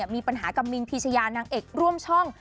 มีปัญหากับมินพีชยานางเอกร่วมช่อง